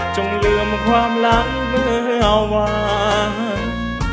ลืมความหลังเมื่อวาน